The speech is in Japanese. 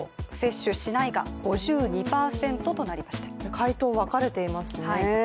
回答分かれていますね。